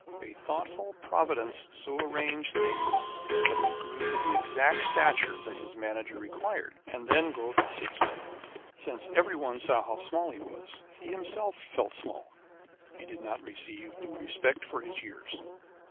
A thoughtful Providence so arranged things that he grew to the exact stature that his manager required, and then growth ceased. Since every one saw how small he was, and he himself felt small, he did not receive due respect for his years.